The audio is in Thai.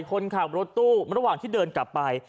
คนขับรถตู้ระหว่างที่เดินกลับไป